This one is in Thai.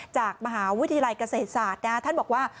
จากมหาวิทยาลัยเกษตรศาสตร์ท่านบอกว่า